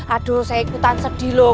aduh saya ikutan sedih loh